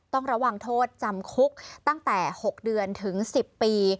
ต้องระวังโทษจำคุกตั้งแต่๖เดือนถึง๑๐ปี